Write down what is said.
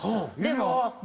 でも。